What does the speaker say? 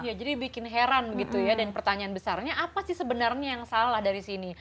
ya jadi bikin heran begitu ya dan pertanyaan besarnya apa sih sebenarnya yang salah dari sini